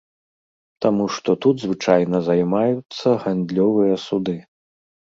Таму што тут звычайна займаюцца гандлёвыя суды.